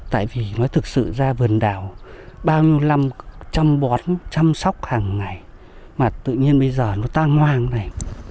tại vì nó thực sự ra vườn đào bao nhiêu năm chăm bón chăm sóc hàng ngày mà tự nhiên bây giờ nó tan hoang này